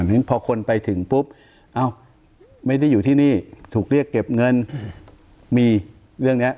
ทีนี้พอคนไปถึงปุ๊บเอ้าไม่ได้อยู่ที่นี่ถูกเรียกเก็บเงินมีเรื่องเนี้ย